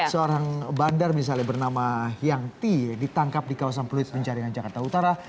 seorang bandar misalnya bernama hyang ti ditangkap di kawasan pulau iti mencari dengan jakarta utara